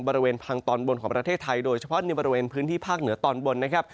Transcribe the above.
บริเวณทางตอนบนของประเทศไทยโดยเฉพาะในบริเวณพื้นที่ภาคเหนือตอนบนนะครับ